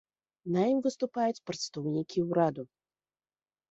На ім выступаюць прадстаўнікі ўраду.